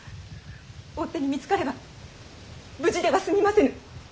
追っ手に見つかれば無事では済みませぬ。